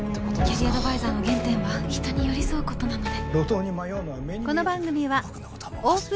キャリアアドバイザーの原点は人に寄り添うことなので。